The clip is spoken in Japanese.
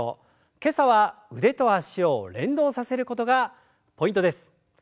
今朝は腕と脚を連動させることがポイントです。